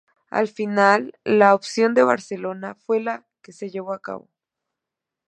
Al final, la opción de Barcelona fue la que se llevó a cabo".